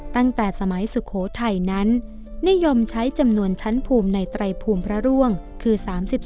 ตั้งแต่สมัยสุโขทัยนั้นนิยมใช้จำนวนชั้นภูมิในไตรภูมิพระร่วงคือ๓๒